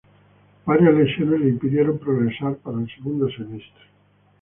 Varias lesiones le impidieron progresar para el segundo semestre.